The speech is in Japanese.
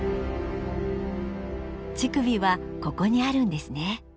乳首はここにあるんですね。